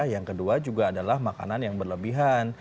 yang kedua juga adalah makanan yang berlebihan